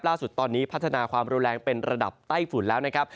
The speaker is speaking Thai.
ล่าสุดตอนนี้พัฒนาความรุนแรงเป็นระดับใต้ฝุ่นแล้วนะครับ